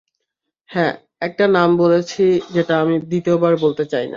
হ্যাঁ, একটা নাম বলেছি যেটা আমি দ্বিতীয়বার বলতে চাই না।